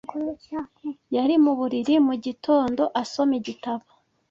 Yari mu buriri mugitondo asoma igitabo.